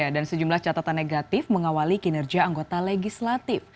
dan sejumlah catatan negatif mengawali kinerja anggota legislatif